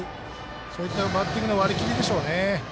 そういったバッティングの割り切りでしょうね。